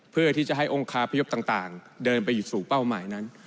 เพื่อที่จะให้องคาพยพต่างเดินไปอยู่สู่เป้าหมายนั้น